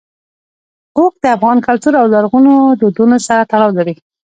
اوښ د افغان کلتور او لرغونو دودونو سره تړاو لري.